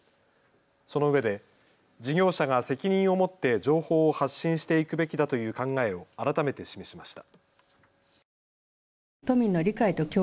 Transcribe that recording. そのうえで事業者が責任を持って情報を発信していくべきだという考えを改めて示しました。